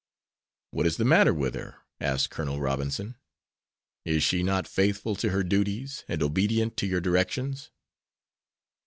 "What is the matter with her?" asked Col. Robinson. "Is she not faithful to her duties and obedient to your directions?"